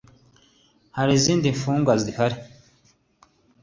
…hari izindi mfungwa zihari